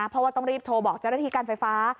เพราะว่าต้องรีบโทรบอกเจ้าหน้าที่การไฟฟ้า